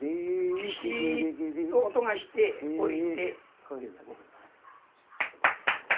ギシッと音がして下りて。